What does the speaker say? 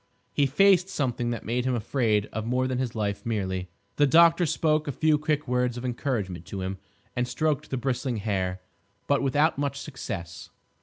He faced something that made him afraid of more than his life merely. The doctor spoke a few quick words of encouragement to him, and stroked the bristling hair. But without much success.